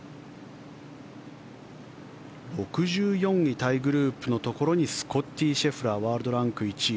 ６４位タイグループのところにスコッティ・シェフラーワールドランク１位。